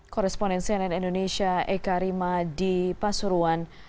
koresponen cnn indonesia eka rima di pasuruan